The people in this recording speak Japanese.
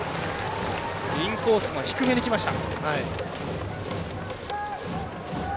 インコースの低めにきました。